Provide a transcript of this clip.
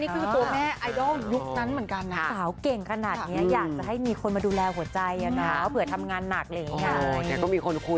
สีตาป๊าแบบปอดอะไรอย่างนี้แล้วปากแบบชมพูอะไรอย่างนี้ค่ะ